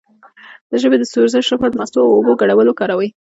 د ژبې د سوزش لپاره د مستو او اوبو ګډول وکاروئ